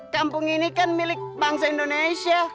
kampung ini kan milik bangsa indonesia